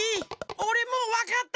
おれもうわかった！